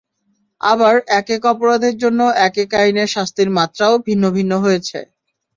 আবার একেক অপরাধের জন্য একেক আইনে শাস্তির মাত্রাও ভিন্ন ভিন্ন হয়েছে।